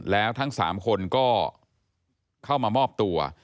แล้วทั้ง๓คนก็เข้ามามอบตัว